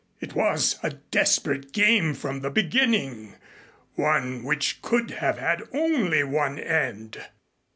It was a desperate game from the beginning one which could have had only one end.